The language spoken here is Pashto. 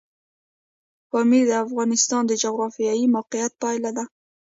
پامیر د افغانستان د جغرافیایي موقیعت پایله ده.